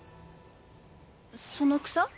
その草？